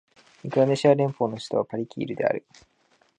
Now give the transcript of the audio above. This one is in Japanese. ミクロネシア連邦の首都はパリキールである